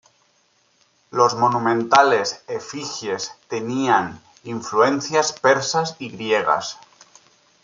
Las monumentales efigies tenían influencias persas y griegas.